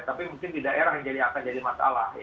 tapi mungkin di daerah yang akan jadi masalah